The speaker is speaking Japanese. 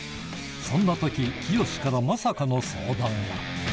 そんなとき、きよしからまさかの相談が。